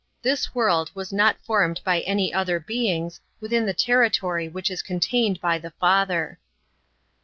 — TJds world ivas not formed hy any other beings within the territory ichich is contained hy the Father.